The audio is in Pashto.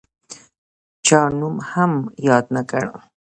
چا نوم هم یاد نه کړ.